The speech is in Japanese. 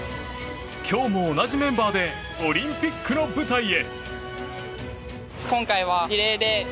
今日も同じメンバーでオリンピックの舞台へ。